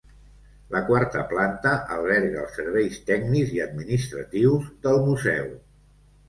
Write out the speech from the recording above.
La quarta planta alberga els serveis tècnics i administratius del museu.